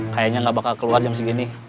kayaknya nggak bakal keluar jam segini